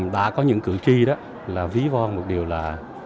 đã có những cử tri đó là ví von một điều là